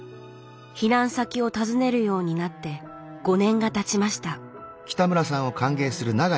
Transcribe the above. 避難先を訪ねるようになって５年がたちました